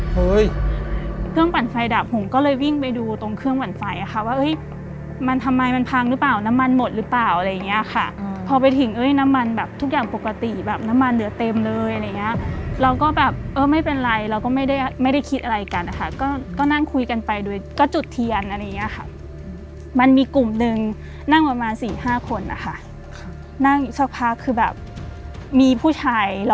เห้ยเครื่องปั่นไฟดับผมก็เลยวิ่งไปดูตรงเครื่องปั่นไฟอ่ะค่ะว่าเอ้ยมันทำไมมันพังหรือเปล่าน้ำมันหมดหรือเปล่าอะไรอย่างนี้ค่ะอืมพอไปถึงเอ้ยน้ำมันแบบทุกอย่างปกติแบบน้ำมันเหลือเต็มเลยอะไรอย่างนี้ค่ะเราก็แบบเออไม่เป็นไรเราก็ไม่ได้ไม่ได้คิดอะไรกันอ่ะค่ะก็ก็นั่งคุยกันไปด้วยก็จุดเทียนอะไรอย่